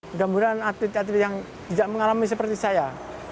mudah mudahan atlet atlet yang tidak mengalami seperti saya